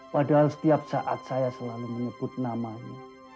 padahal setiap saat saya selalu menyebut namanya